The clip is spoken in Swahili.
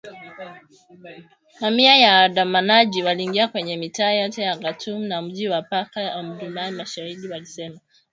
Mamia ya waandamanaji waliingia kwenye mitaa yote ya Khartoum na mji wake pacha wa Omdurman mashahidi walisema